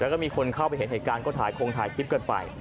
แล้วก็มีคนเข้าเห็นเหตุการณ์กลงถ่ายทริปเกินไป